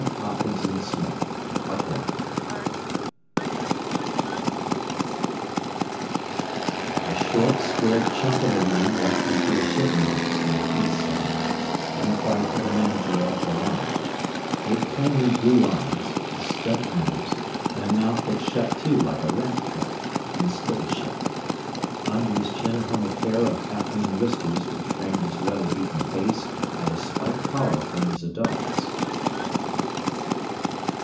Hopkinson Smith 1909 I A short, square chunk of a man walked into a shipping office on the East Side, and inquired for the Manager of the Line. He had kindly blue eyes, a stub nose, and a mouth that shut to like a rat trap, and stayed shut. Under his chin hung a pair of half moon whiskers which framed his weather beaten face as a spike collar frames a dog's.